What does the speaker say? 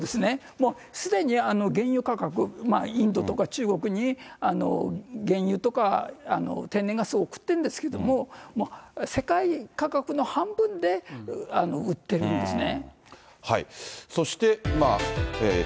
もうすでに原油価格、インドとか中国に原油とか、天然ガスを送ってるんですけども、世界価格の半分で売ってるんですね。